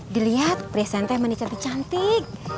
dilihat presentnya mandi cantik cantik